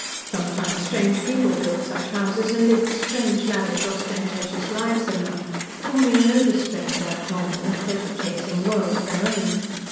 Sometimes strange people built such houses and lived strange lavish, ostentatious lives in them, forming an overstrained, abnormal, pleasure chasing world of their own.